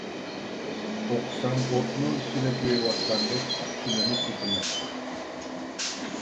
ئوقۇسام ئوتنىڭ ئىچىدە كۆيۈۋاتقاندەك پۇچىلىنىپ كېتىمەن.